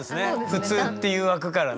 普通っていう枠からね。